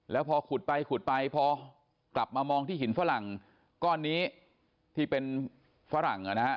แล้วพอขุดไปขุดไปพอกลับมามองที่หินฝรั่งก้อนนี้ที่เป็นฝรั่งนะฮะ